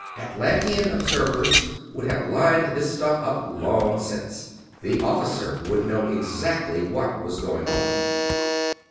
Atlantean observers would have lined this stuff up long since; the Officer would know exactly what was going on.